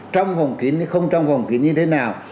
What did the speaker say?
trong phòng kín không trong phòng kín như thế nào